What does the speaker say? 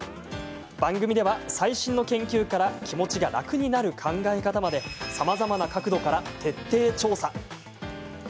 番組では最新の研究から気持ちが楽になる考え方までさまざまな角度から徹底調査。